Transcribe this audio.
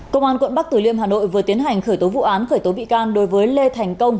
công an quận bắc tử liêm hà nội vừa tiến hành khởi tố vụ án khởi tố bị can đối với lê thành công